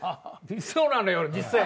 そうなのよ実際。